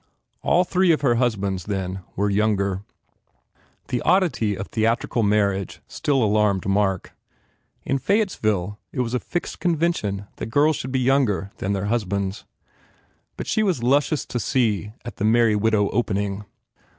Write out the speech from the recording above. All three of her husbands, then, were younger. The oddity of theatrical marriage still alarmed Mark. In Fayettesville it was a fixed convention that girls should be younger than their husbands. But she was luscious to see at the "Merry Widow" opening.